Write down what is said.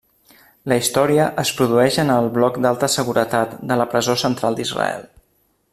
La història es produeix en el bloc d'alta seguretat de la presó central d'Israel.